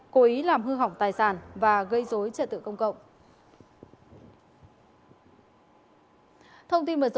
cố ý làm hư hỏng tài sản và gây dối trật tự công cộng